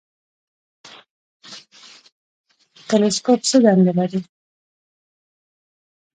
تلسکوپ څه دنده لري؟